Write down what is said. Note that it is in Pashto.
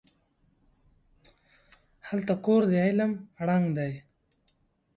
هلته کور د علم ړنګ دی